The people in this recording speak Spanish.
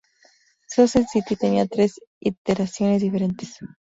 Sunset City tenía tres iteraciones diferentes.